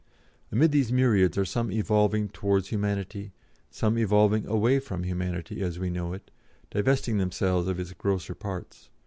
Amid these myriads are some evolving towards humanity, some evolving away from humanity as we know it, divesting themselves of its grosser parts.